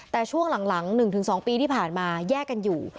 แต่ช่วงหลัง๑๒ปีที่ผ่านมาแยกกันอยู่